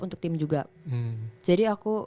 untuk tim juga jadi aku